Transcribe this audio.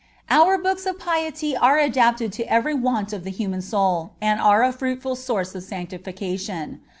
Our books of piety are adapted to every want of the human soul, and are a fruitful source of sanctification.